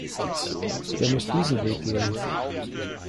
Der muss diesen Weg gehen.